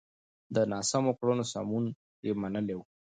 د ناسمو کړنو سمون يې منلی و.